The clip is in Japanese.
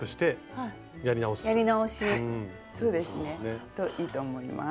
そうですね。といいと思います。